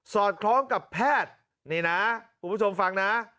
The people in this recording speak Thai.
อดคล้องกับแพทย์นี่นะคุณผู้ชมฟังนะ